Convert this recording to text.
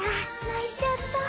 泣いちゃった。